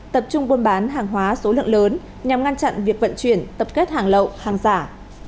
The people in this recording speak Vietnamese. tập trung buôn bán hàng hóa số lượng lớn nhằm ngăn chặn việc vận chuyển tập kết hàng lậu hàng giả